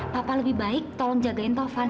papa lebih baik tolong jagain tovan